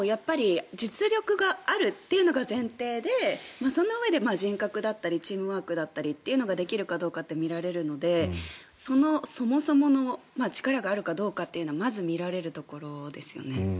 実力があるというのが前提でそのうえで人格だったりチームワークができるかどうかって見られるのでそもそもの力があるかどうかはまず見られるところですよね。